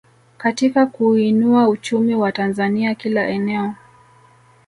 Katika kuuinua uchumi wa Tanzania kila eneo